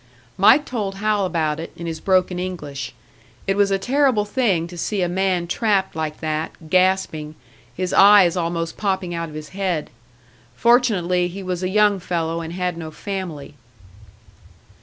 Mike told Hal about it, in his broken English. It was a terrible thing to see a man trapped like that, gasping, his eyes almost popping out of his head. Fortunately he was a young fellow, and had no family.